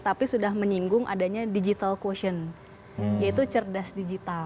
tapi sudah menyinggung adanya digital quotion yaitu cerdas digital